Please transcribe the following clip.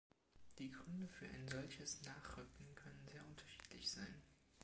Die Gründe für ein solches Nachrücken können sehr unterschiedlich sein.